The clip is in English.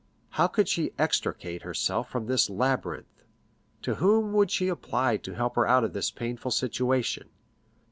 How could she extricate herself from this labyrinth? To whom would she apply to help her out of this painful situation?